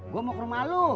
gue mau ke rumah lu